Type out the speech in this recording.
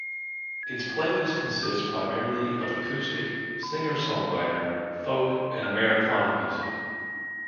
Its playlist consists primarily of acoustic, singer-songwriter, folk and Americana music.